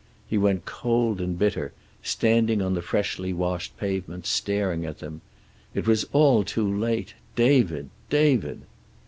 He went cold and bitter, standing on the freshly washed pavement, staring at them. It was all too late. David! David!